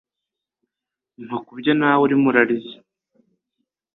mpa kubyo nawe urimo urarya